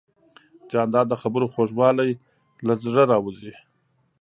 جانداد د خبرو خوږوالی له زړه راوزي.